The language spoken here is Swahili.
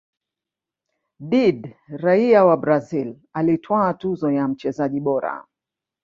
Did raia wa brazil alitwaa tuzo ya mchezaji bora